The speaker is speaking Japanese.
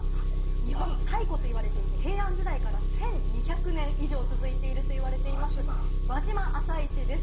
日本最古と言われている平安時代から１２００年以上続いていると言われています、輪島朝市です。